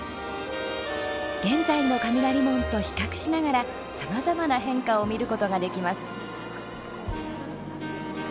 現在の雷門と比較しながらさまざまな変化を見ることができます。